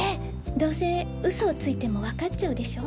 どうせ嘘をついてもわかっちゃうでしょ？